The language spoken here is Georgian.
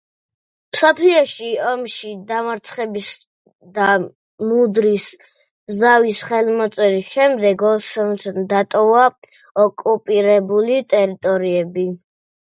მსოფლიო ომში დამარცხების და მუდროსის ზავის ხელმოწერის შემდეგ ოსმალეთმა დატოვა ოკუპირებული ტერიტორიები.